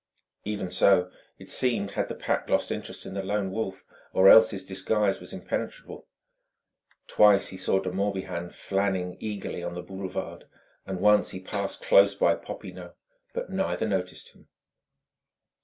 Even so, it seemed, had the Pack lost interest in the Lone Wolf; or else his disguise was impenetrable. Twice he saw De Morbihan "flânning" elegantly on the Boulevards, and once he passed close by Popinot; but neither noticed him.